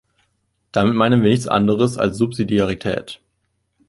Damit meinen wir nichts anderes als Subsidiarität.